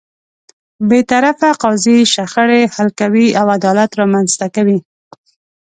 بېطرفه قاضی شخړې حل کوي او عدالت رامنځته کوي.